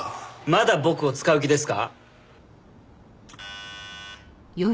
まだ僕を使う気ですか？